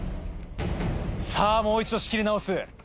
さぁもう一度仕切り直す。